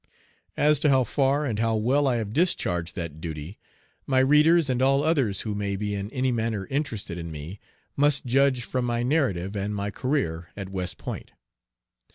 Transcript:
As to how far and how well I have discharged that duty, my readers, and all others who may be in any manner interested in me, must judge from my narrative and my career at West Point.